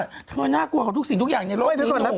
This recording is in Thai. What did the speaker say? ทุกอย่างเนี่ยน่ากลัวของทุกสิ่งในโลกที่อีก